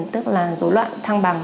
tức là dối loạn thăng bằng